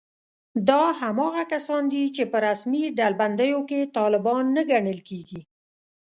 دا هماغه کسان دي چې په رسمي ډلبندیو کې طالبان نه ګڼل کېږي